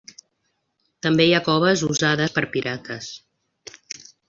També hi ha coves usades per pirates.